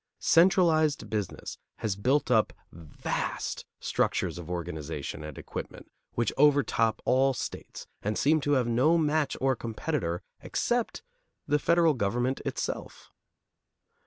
Centralized business has built up vast structures of organization and equipment which overtop all states and seem to have no match or competitor except the federal government itself.